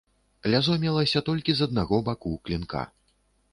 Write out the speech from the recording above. Лязо мелася толькі з аднаго баку клінка.